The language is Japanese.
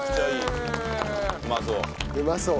うまそう！